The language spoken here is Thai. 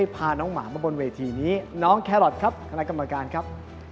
พาน้องหมามาบนเวทีนี้น้องแครอทครับคณะกรรมการครับ